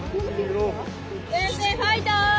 先生ファイト！